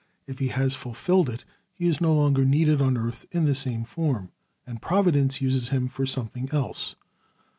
If he has fulfilled it he is no longer needed on earth, in the same form, and Providence uses him for something else.